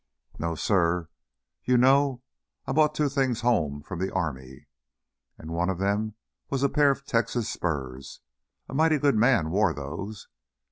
"No, suh. You know, I brought two things home from the army and one of them was a pair of Texas spurs. A mighty good man wore those.